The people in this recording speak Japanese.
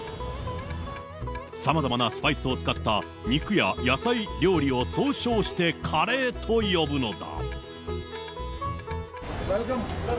さまざまなスパイスを使った肉や野菜料理を総称してカレーと呼ぶのだ。